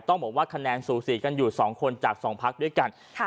ต้องบอกว่าคะแนนสูสีกันอยู่๒คนจาก๒พักด้วยกัน